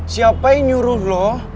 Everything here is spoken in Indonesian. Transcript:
siapa yang nyuruh lo